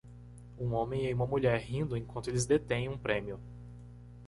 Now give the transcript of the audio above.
Um homem e uma mulher rindo enquanto eles detêm um prêmio.